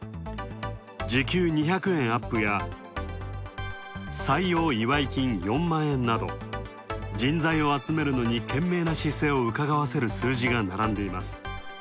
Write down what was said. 時給２００円アップや、採用祝い金４万円など、人材を集めるのに懸命な姿勢をうかがわせる数字が並んでいます。